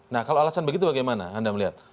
nah kalau alasan begitu bagaimana anda melihat